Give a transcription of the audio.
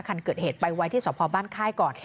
คันเกิดเหตุไปไว้ที่สพบ้านค่ายก่อน